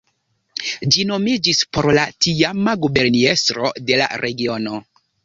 Ĝi nomiĝis por la tiama guberniestro de la regiono.